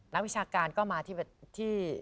วิชาการก็มาที่